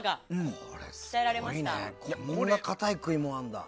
こんなかたい食い物あるんだ。